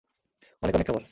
অনেক অনেক খাবার।